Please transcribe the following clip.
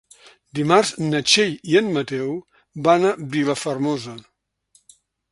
Dimarts na Txell i en Mateu van a Vilafermosa.